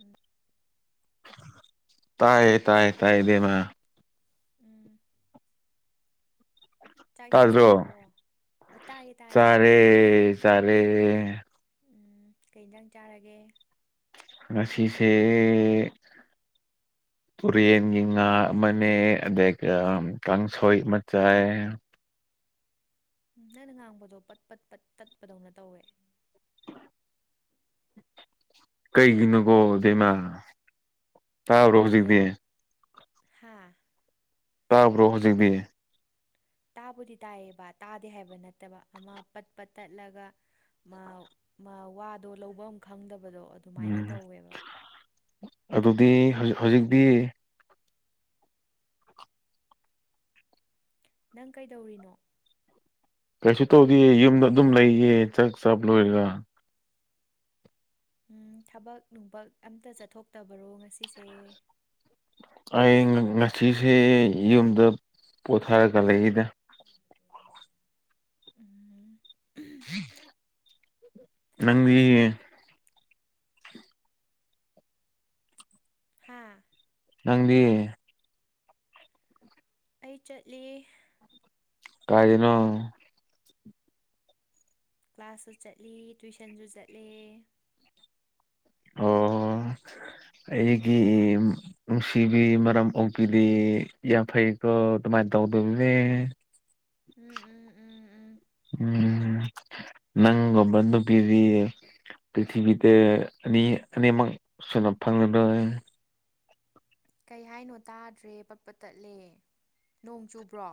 ꯎꯝ ꯇꯥꯏꯌꯦ ꯇꯥꯏꯌꯦ ꯇꯥꯏꯌꯦ ꯗꯦꯃ ꯎꯝ ꯆꯥꯛ ꯏꯁꯤꯡ ꯇꯥꯖ꯭ꯔꯣ ꯆꯥꯔꯕꯣ ꯑ ꯇꯥꯏꯌꯦ ꯇꯥꯏꯌꯦ ꯆꯔꯦ ꯆꯔꯦ ꯎꯝ ꯀꯩ ꯏꯖꯥꯡ ꯆꯥꯔꯒꯦ ꯉꯁꯤꯁꯦ ꯇꯨꯔꯦꯟꯒꯤ ꯉꯥ ꯃꯅꯦ ꯑꯗꯨꯒ ꯀꯥꯡꯁꯣꯏ ꯃꯆꯥꯥꯏ ꯅꯪꯅ ꯉꯥꯡꯕꯗꯣ ꯄꯠ ꯄꯠ ꯄꯠ ꯇꯠꯄꯗꯧꯅ ꯇꯧꯋꯦ ꯀꯩꯒꯤꯅꯣꯀꯣ ꯗꯩꯃꯥ ꯇꯥꯕ꯭ꯔꯣ ꯍꯧꯖꯤꯛꯇꯤ ꯍꯥꯥ ꯇꯥꯕ꯭ꯔꯣ ꯍꯧꯖꯤꯛꯕꯤ ꯇꯥꯕꯨꯗꯤ ꯇꯥꯏꯌꯦꯕ ꯇꯥꯗꯦ ꯍꯥꯏꯕ ꯅꯠꯇꯕ ꯑꯃ ꯄꯠꯄꯠ ꯇꯠꯂꯒ ꯃꯥ ꯃꯥ ꯋꯥꯗꯣ ꯂꯧꯕꯝ ꯈꯪꯗꯕꯗꯣ ꯑꯗꯨꯃꯥꯏꯅ ꯎꯝ ꯇꯧꯋꯦꯕ ꯑꯗꯨꯗꯤꯖꯤ ꯍꯧꯖꯤꯛꯇꯤ ꯅꯪ ꯀꯩꯗꯧꯔꯤꯅꯣ ꯀꯩꯁꯨ ꯇꯧꯗꯦ ꯌꯨꯝꯗ ꯑꯗꯨꯝ ꯂꯩꯌꯦ ꯆꯥꯛ ꯆꯕ ꯂꯣꯏꯔꯒ ꯎꯝ ꯊꯕꯛ ꯅꯨꯡꯕꯛ ꯑꯝꯇ ꯆꯠꯊꯣꯛꯇꯕꯔꯣ ꯉꯁꯤꯁꯦ ꯑꯩ ꯉꯁꯤꯁꯦ ꯌꯨꯝꯗ ꯄꯣꯊꯔꯒ ꯂꯩꯏꯅꯦ ꯎꯝ ꯅꯪꯒꯤ ꯍꯥꯥ ꯅꯪꯗꯤ ꯑꯩ ꯆꯠꯂꯤ ꯀꯥꯏꯗꯅꯣ ꯀ꯭ꯂꯥꯁꯁꯨ ꯆꯠꯂꯤ ꯇꯨꯋꯏꯁꯟꯁꯨ ꯆꯠꯂꯦ ꯑꯣ ꯑꯩꯒꯤ ꯅꯨꯡꯁꯤꯕꯤ ꯃꯔꯝ ꯑꯣꯄꯤꯗꯤ ꯌꯥꯝ ꯐꯩꯀꯣ ꯑꯗꯨꯃꯥꯏꯅ ꯇꯧꯗꯕꯤꯅꯦ ꯎꯝ ꯎꯝ ꯝ ꯎꯝ ꯎꯝ ꯎꯝ ꯅꯪꯕ ꯑꯗꯨ ꯀꯁꯤ ꯄ꯭ꯔꯤꯊꯤꯕꯤꯗ ꯑꯅꯤ ꯑꯅꯤꯃꯛꯛ ꯁꯅꯥꯞ ꯐꯪꯅꯕ ꯀꯩ ꯍꯥꯏꯅꯣ ꯇꯥꯗ꯭ꯔꯦ ꯄꯠꯄ ꯇꯠꯂꯦ ꯅꯣꯡ ꯆꯨꯕ꯭ꯔꯣ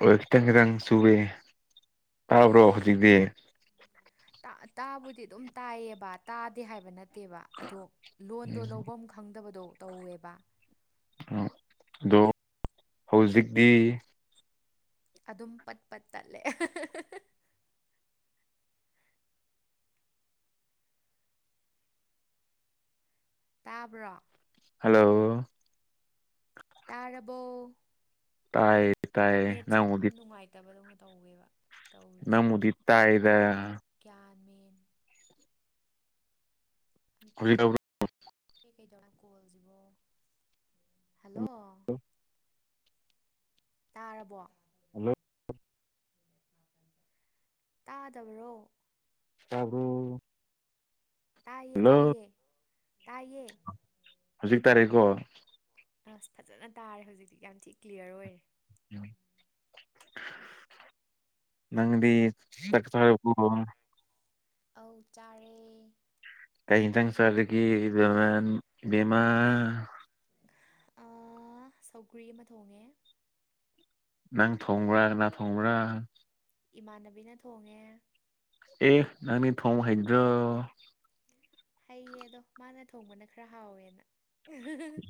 ꯍ ꯈꯤꯇꯪ ꯈꯤꯇꯪ ꯆꯨꯏꯦ ꯇꯥꯕ꯭ꯔꯣ ꯍꯧꯖꯤꯛꯇꯤ ꯇꯥꯕꯨꯗꯤ ꯑꯗꯨꯝ ꯇꯥꯏꯌꯦꯕ ꯇꯥꯗꯦ ꯍꯥꯏꯕ ꯅꯠꯇꯦ ꯅꯠꯇꯦꯕ ꯑꯗꯣ ꯂꯣꯟꯗꯣ ꯂꯐꯝ ꯈꯪꯗꯕꯗꯣ ꯇꯧꯋꯦꯕ ꯎ ꯑꯗꯣ ꯍꯧꯖꯤꯛꯇꯤ ꯑꯗꯨꯝ ꯄꯠ ꯄꯠ ꯇꯠꯂꯦ ꯇꯥꯕ꯭ꯔꯣ ꯍꯜꯂꯣ ꯇꯥꯔꯕꯣ ꯇꯥꯏꯌꯦ ꯇꯥꯏꯌꯦ ꯅ ꯎꯗꯤ ꯐꯇꯕꯗꯧꯅ ꯇꯧꯒꯦꯕ ꯇꯧꯔꯤꯁꯦ ꯅꯪꯕꯨꯗꯤ ꯇꯥꯏꯗ ꯒ꯭ꯌꯥꯟ ꯃꯦꯟ ꯍꯧ ꯀꯗꯧ ꯀꯣ ꯍꯜꯂꯣ ꯇꯥꯔꯕꯣ ꯍꯜꯂꯣ ꯇꯥꯗꯕꯔꯣ ꯇꯕꯕꯨ ꯇꯥꯏꯌꯦ ꯇꯥꯏꯌꯦ ꯇꯥꯏꯌꯦꯌꯦ ꯍꯧꯖꯤꯛ ꯇꯥꯔꯦꯀꯣ ꯑꯁ ꯐꯖꯅ ꯇꯥꯔꯦ ꯍꯧꯖꯤꯛꯇꯤ ꯌꯥꯝ ꯊꯤ ꯀ꯭ꯂꯤꯌꯥꯔ ꯑꯣꯏꯔꯦ ꯅꯪꯗꯤ ꯆ ꯆꯣ ꯑ ꯆꯥꯔꯦ ꯀ ꯌꯦꯟꯁꯥꯡ ꯆꯗꯒꯤ ꯕꯃ ꯕꯃꯥ ꯁꯧꯒ꯭ꯔꯤ ꯑꯃ ꯊꯣꯡꯉꯦ ꯅꯪ ꯊꯣꯡꯕ꯭ꯔꯥ ꯅꯥ ꯊꯣꯡꯕ꯭ꯔꯥ ꯏꯃꯥꯟꯅꯕꯤꯅ ꯊꯣꯡꯉꯦ ꯑꯦ ꯅꯪꯅꯤ ꯊꯣꯡ ꯍꯩꯗ꯭ꯔꯣ ꯍꯩꯌꯦ ꯑꯗꯣ ꯃꯥꯅ ꯊꯣꯡꯕꯅ ꯈꯔ ꯍꯥꯎꯋꯦꯅ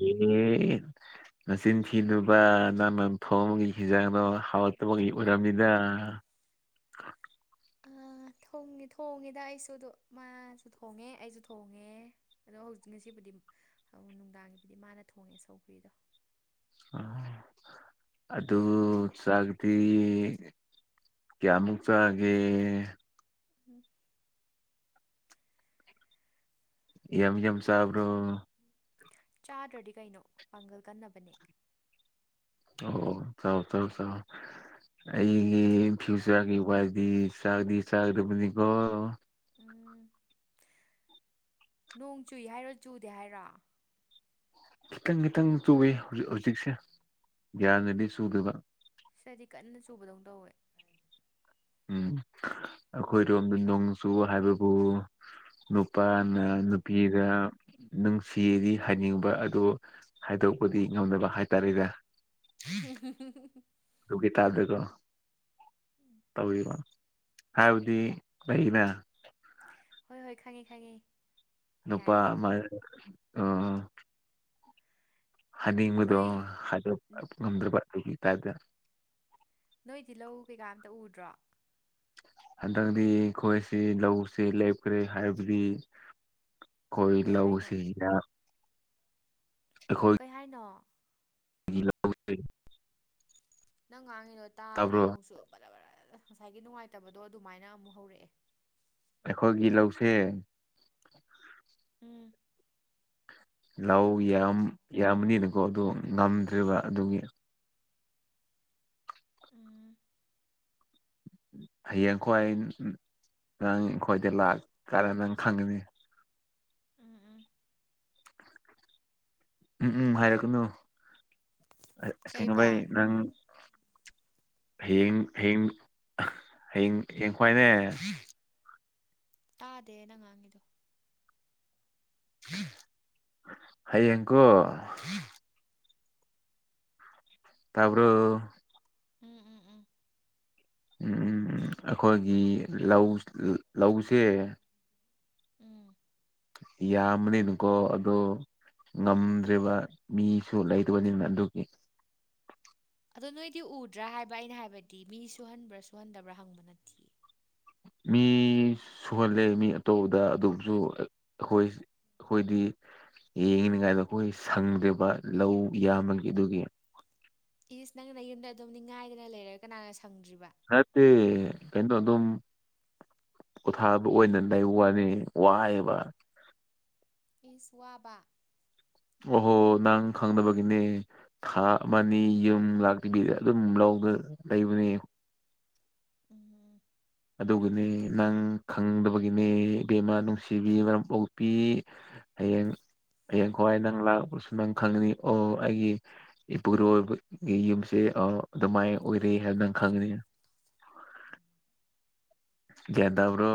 ꯑꯦ ꯃꯆꯤꯟ ꯊꯤꯗꯨꯕ ꯅꯃꯝ ꯊꯣꯡꯕꯒꯤ ꯍꯤꯖꯥꯡꯗꯣ ꯍꯥꯎꯠ ꯃꯒ ꯏꯔꯝꯗ ꯑ ꯊꯣꯡꯉꯦ ꯊꯣꯡꯉꯦꯗ ꯑꯩꯁꯨ ꯑꯗꯨ ꯃꯥꯁꯨ ꯊꯣꯡꯉꯦ ꯑꯩꯁꯨ ꯊꯣꯡꯉꯦ ꯑꯗꯣ ꯍꯧꯖꯤꯛ ꯉꯁꯤꯕꯨꯗꯤ ꯅꯨꯡꯗꯥꯡꯒꯤꯕꯨꯗꯤ ꯃꯥꯅ ꯊꯣꯡꯉꯦ ꯁꯧꯒ꯭ꯔꯤꯗꯣ ꯑ ꯑꯗꯨ ꯆꯒꯗꯤ ꯀꯌꯥꯃꯨꯛ ꯆꯒꯦ ꯎꯝ ꯑꯦꯦꯝ ꯑꯦꯦꯝ ꯁꯥꯕꯣ ꯆꯥꯗ꯭ꯔꯗꯤ ꯀꯩꯅꯣ ꯄꯥꯡꯒꯜ ꯀꯟꯅꯕꯅꯦ ꯑꯣ ꯆꯥꯎꯥꯎ ꯆꯥꯎ ꯆꯥꯎ ꯑꯩꯒꯤ ꯐ꯭ꯌꯨꯆꯔꯒꯤ ꯋꯥꯗꯤ ꯆꯥꯛꯗꯤ ꯆꯥꯒꯗꯕꯅꯤꯀꯣ ꯎꯝ ꯅꯣꯡ ꯆꯨꯏ ꯍꯥꯏꯔꯣ ꯆꯨꯗꯦ ꯍꯥꯏꯔꯣ ꯈꯤꯇꯪ ꯈꯤꯇꯪ ꯆꯨꯏ ꯍꯧꯖꯤꯛ ꯍꯧꯖꯤꯛꯁꯦ ꯒ꯭ꯌꯥꯟꯅꯗꯤ ꯆꯨꯗꯕ ꯁꯤꯔꯗꯤ ꯀꯟꯅ ꯆꯨꯕꯗꯧꯅ ꯇꯧꯋꯦ ꯎꯝ ꯑꯩꯈꯣꯏꯗꯣꯝꯗ ꯅꯣꯡꯆꯨ ꯍꯥꯏꯕꯕꯨ ꯅꯨꯄꯥꯅ ꯅꯨꯄꯤꯤꯒ ꯅꯨꯡꯁꯤꯌꯦꯗꯤ ꯍꯥꯏꯅꯤꯡꯕ ꯑꯗꯣ ꯍꯥꯏꯗꯣꯛꯄꯗꯤ ꯉꯝꯅꯕ ꯍꯥꯏꯇꯥꯔꯦꯅꯦ ꯍ ꯑꯗꯨꯒꯤ ꯇꯕꯕꯀꯣ ꯎꯝ ꯇꯧꯔꯤꯕ ꯍꯥꯏꯕꯗꯤ ꯑꯩꯅ ꯍꯣꯏ ꯍꯣꯏ ꯈꯪꯉꯤ ꯈꯪꯉꯦ ꯅꯨꯄꯥ ꯌꯥꯔꯦ ꯃꯥ ꯎꯝ ꯅꯣꯏ ꯍꯅꯤꯃꯗꯨꯣ꯭ꯔꯗ ꯅꯣꯏꯗꯤ ꯂꯧ ꯀꯩꯀꯥ ꯑꯇ ꯎꯗ꯭ꯔꯣ ꯍꯟꯗꯛꯇꯗꯤ ꯑꯩꯈꯣꯏꯁꯤ ꯂꯧꯁꯤ ꯂꯦꯞꯈ꯭ꯔꯦ ꯍꯥꯏꯕꯗꯤ ꯀꯣꯏ ꯀꯩ ꯍꯥꯏꯅꯣ ꯂꯎꯁꯤꯗꯣꯏ ꯀꯩ ꯍꯥꯏꯅꯣ ꯏꯂꯦ ꯅꯪ ꯉꯥꯡꯉꯤꯗꯣ ꯇꯥꯗꯦ ꯇꯥꯕ꯭ꯔꯣ ꯑꯃꯨꯛꯁꯨ ꯕꯔꯥ ꯔꯥ ꯉꯁꯥꯏꯒꯤ ꯅꯨꯡꯉꯥꯏꯇꯕꯗꯣ ꯑꯗꯨꯃꯥꯏꯅ ꯑꯃꯨꯛ ꯍꯧꯔꯛꯑꯦ ꯑꯩꯈꯣꯏꯒꯤ ꯂꯧꯁꯦ ꯎꯝ ꯂꯧ ꯌꯥꯝꯃꯅꯤꯅꯀꯣ ꯑꯗꯨ ꯉꯝꯗ꯭ꯔꯦꯔꯤꯕ ꯑꯗꯨꯒꯤ ꯎꯝ ꯍꯌꯦꯡꯈꯣꯏ ꯅꯪ ꯑꯩꯈꯣꯏꯗ ꯂꯥꯛꯀꯥꯟꯔ ꯅꯪ ꯈꯪꯒꯅꯤ ꯎꯝ ꯎꯝ ꯎꯝ ꯎꯝ ꯀꯩꯕꯥ ꯍꯥꯏꯔꯛꯀꯅꯨꯦꯡꯉꯕꯩ ꯅꯪ ꯍꯌꯦꯡ ꯍꯌꯦꯡ ꯍꯌꯦꯡ ꯍꯌꯦꯡ ꯈ꯭ꯋꯥꯏꯅꯦ ꯇꯥꯗꯦ ꯅ ꯉꯥꯡꯉꯤꯗꯣ ꯍꯌꯦꯡꯀꯣ ꯇꯥꯄꯣ ꯎꯝ ꯎꯝ ꯎꯝ ꯎꯝ ꯑꯩꯈꯣꯏꯒꯤ ꯂꯧ ꯂꯧꯁꯦ ꯎꯝ ꯌꯥꯝꯕꯅꯤꯅꯨꯀꯣ ꯑꯗꯣ ꯉꯝꯗ꯭ꯔꯤꯕ ꯃꯤꯁꯨ ꯂꯩꯇꯕꯅꯤꯅ ꯑꯗꯨꯒꯤ ꯑꯗꯣ ꯅꯣꯏꯗꯤ ꯎꯗ꯭ꯔꯥ ꯍꯥꯏꯕ ꯑꯩꯅ ꯍꯥꯏꯕꯗꯤ ꯃꯤ ꯁꯨꯍꯟꯕ꯭ꯔꯥ ꯁꯨꯍꯟꯗꯕ꯭ꯔꯥ ꯍꯪꯕ ꯅꯠꯇꯤꯌꯦ ꯃꯤ ꯁꯨꯍꯜꯂꯦ ꯃꯤ ꯑꯇꯣꯞꯄꯗ ꯑꯗꯨꯝꯁꯨ ꯑꯩ ꯑꯩꯈꯣꯏ ꯑꯩꯈꯣꯏꯗꯤ ꯌꯦꯡꯉꯤꯅꯤꯉꯥꯏꯗ ꯑꯩꯈꯣꯏ ꯁꯪꯗ꯭ꯔꯦꯕ ꯂꯧ ꯌꯥꯝꯕꯒꯤ ꯑꯗꯨꯒꯤ ꯏꯁ ꯅꯪ ꯌꯨꯝꯗ ꯑꯗꯨꯝ ꯅꯤꯡꯉꯥꯏꯗꯅ ꯂꯩꯔꯒ ꯀꯅꯥꯅ ꯁꯪꯗ꯭ꯔꯤꯕ ꯅꯠꯇꯦ ꯀꯩꯅꯣ ꯑꯗꯨꯝ ꯄꯣꯊꯥꯕ ꯑꯣꯏꯅ ꯎꯝ ꯎꯝ ꯂꯩ ꯋꯥꯅꯤ ꯋꯥꯍꯩꯕ ꯏꯁ ꯋꯥꯕ ꯑꯣꯍꯣ ꯅꯪ ꯈꯪꯗꯕꯒꯤꯅꯦ ꯊꯥ ꯑꯃ ꯑꯅꯤ ꯌꯨꯝ ꯂꯥꯛꯇꯕꯤꯗ ꯑꯗꯨꯝ ꯂꯧꯗ ꯂꯩꯕꯅꯦ ꯎꯝ ꯑꯗꯨꯒꯤꯅꯤ ꯅꯪ ꯈꯪꯗꯕꯒꯤꯅꯦ ꯏꯕꯦꯝꯃꯥ ꯅꯨꯡꯁꯤꯕꯤ ꯃꯔꯝ ꯄꯣꯛꯄꯤ ꯍꯌꯦꯡ ꯍꯌꯦꯡ ꯈ꯭ꯋꯥꯏ ꯅꯪ ꯂꯥꯛꯄꯁꯨ ꯅꯪ ꯈꯪꯅꯤ ꯑꯣ ꯑꯩꯒꯤ ꯏꯄꯨꯔꯣꯏꯕꯒꯤ ꯌꯨꯝꯁꯦ ꯑꯣ ꯑꯗꯨꯃꯥꯏꯅ ꯑꯣꯏꯔꯦ ꯍꯥꯏꯕ ꯅꯪ ꯈꯪꯒꯅꯤ ꯒ꯭ꯌꯥꯟ ꯇꯕ꯭ꯔꯣ